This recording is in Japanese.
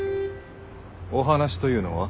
お話というのは？